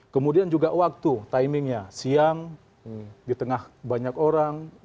kemudian juga waktu timingnya siang di tengah banyak orang